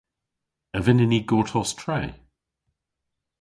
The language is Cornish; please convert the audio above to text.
A vynnyn ni gortos tre?